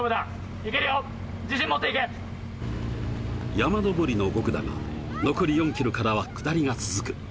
山上りの５区だが、残り４ｋｍからは下りが続く。